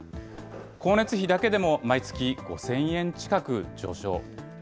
光熱費だけでも毎月５０００円近く上昇。